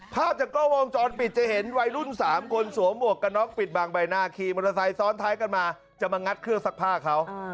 ภาพจากกล้องวงจรปิดจะเห็นวัยรุ่น๓คนสวมหมวกกันน็อกปิดบางใบหน้าขี่มอเตอร์ไซค์ซ้อนท้ายกันมาจะมางัดเครื่องซักผ้าเขา